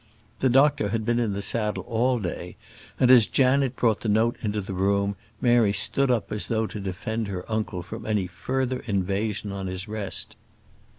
The doctor had been in the saddle all day, and, as Janet brought the note into the room, Mary stood up as though to defend her uncle from any further invasion on his rest.